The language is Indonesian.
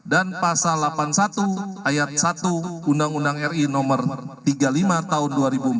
dan pasal delapan puluh satu ayat satu undang undang ri nomor tiga puluh lima tahun dua ribu empat belas